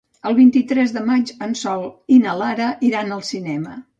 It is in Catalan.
El vint-i-tres de maig en Sol i na Lara iran al cinema.